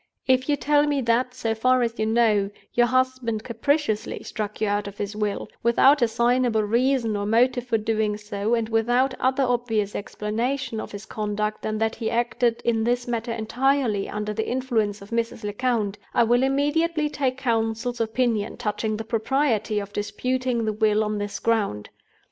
"If you tell me that, so far as you know, your husband capriciously struck you out of his will, without assignable reason or motive for doing so, and without other obvious explanation of his conduct than that he acted in this matter entirely under the influence of Mrs. Lecount, I will immediately take Counsel's opinion touching the propriety of disputing the will on this ground.